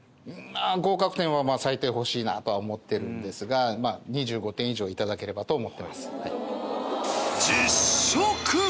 合格点は最低欲しいなとは思ってるんですが２５点以上頂ければと思ってます。